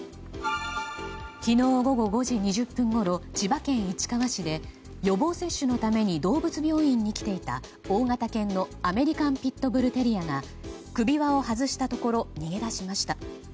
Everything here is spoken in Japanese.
昨日、午後５時２０分ごろ千葉県市川市で予防接種のために動物病院に来ていた大型犬のアメリカン・ピット・ブル・テリアが首輪を外したところ逃げ出しました。